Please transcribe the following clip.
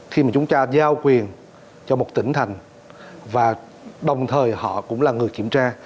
khi mà chúng ta giao quyền cho một tỉnh thành và đồng thời họ cũng là người kiểm tra